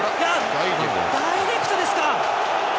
ダイレクトですか？